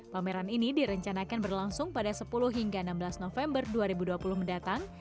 pameran ini direncanakan berlangsung pada sepuluh hingga enam belas november dua ribu dua puluh mendatang